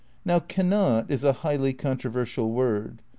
"i Now "cannot" is a highly controversial word.